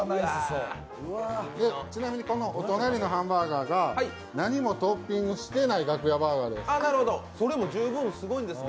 ちなみにこのお隣のハンバーガーが何もトッピングしてないガクヤバーガーです。